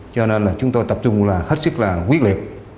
cho nên là chúng tôi tập trung là hết sức là quyết liệt